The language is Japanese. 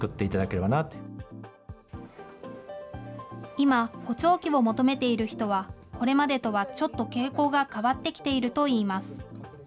今、補聴器を求めている人はこれまでとはちょっと傾向が変わってきているといいます。